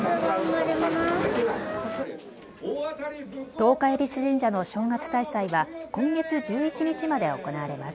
十日恵比須神社の正月大祭は今月１１日まで行われます。